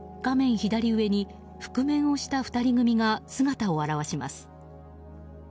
左上に覆面をした２人組が姿を現します。